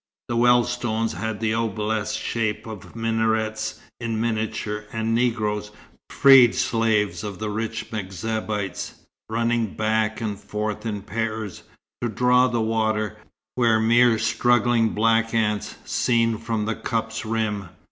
The well stones had the obelisk shape of the minarets, in miniature; and Negroes freed slaves of the rich M'Zabites running back and forth in pairs, to draw the water, were mere struggling black ants, seen from the cup's rim.